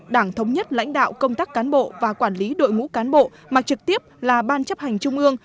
đảng thống nhất lãnh đạo công tác cán bộ và quản lý đội ngũ cán bộ mà trực tiếp là ban chấp hành trung ương